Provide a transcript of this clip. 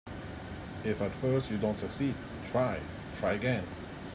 If at first you don't succeed, try, try again.